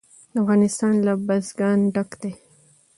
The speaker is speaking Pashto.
افغانستان له بزګان ډک دی.